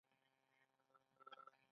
ایا زه باید د ډوډۍ پر مهال اوبه وڅښم؟